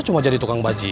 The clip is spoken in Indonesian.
udah itu aja